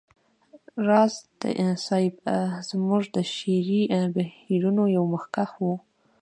راز صيب زموږ د شعري بهیرونو یو مخکښ و